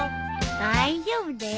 大丈夫だよ。